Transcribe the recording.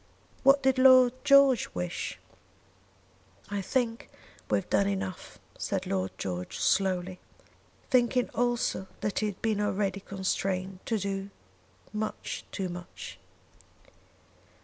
"What did Lord George wish?" "I think we have done enough," said Lord George, slowly, thinking also that he had been already constrained to do much too much.